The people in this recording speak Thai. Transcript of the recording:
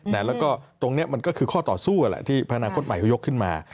แล้วก็ตรงนี้มันก็คือข้อต่อสู้แหละที่พักอนาคตใหม่เขายกขึ้นมา